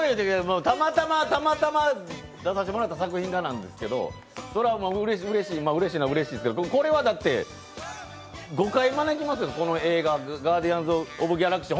たまたま出させてもらった作品がなんですけどそれはうれしいのはうれしいですけど、これはだって、誤解招きますよ、この映画、「ガーディアンズ・オブ・ギャラクシー」。